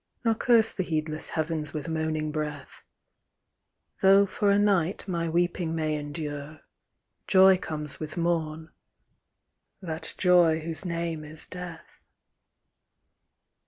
Nor curse the heedless heavens with moaning breath : Though for a night my weeping may endure, Joy comes with morn that joy whose name is Death.